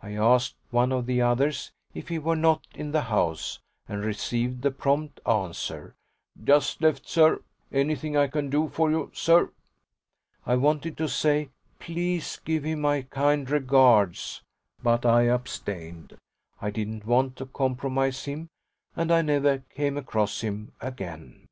I asked one of the others if he were not in the house, and received the prompt answer: "Just left, sir. Anything I can do for you, sir?" I wanted to say "Please give him my kind regards"; but I abstained I didn't want to compromise him; and I never came across him again.